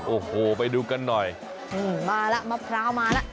โอ้โหไปดูกันหน่อยมาแล้วมะพร้าวมาแล้ว